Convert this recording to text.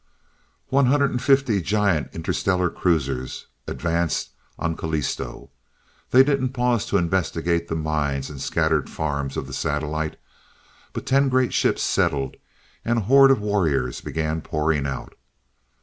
One hundred and fifty giant interstellar cruisers advanced on Callisto. They didn't pause to investigate the mines and scattered farms of the satellite, but ten great ships settled, and a horde of warriors began pouring out.